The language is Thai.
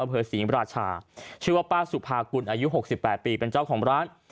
อเผยศรีปราชาชื่อว่าป้าสุภากุลอายุหกสิบแปดปีเป็นเจ้าของร้าน